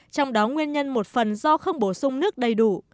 trong đó nguyên nhân một phần do không bổ sung nước đầy đủ